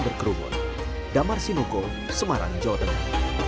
berkerumun damar sinuko semarang jawa tengah